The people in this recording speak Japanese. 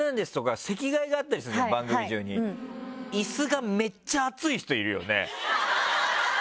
番組中に椅子がめっちゃ熱い人いるよね。